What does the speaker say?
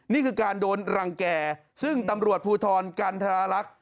นี่คือการโดนรังแก่ซึ่งตำรวจภูทรกันธรรลักษณ์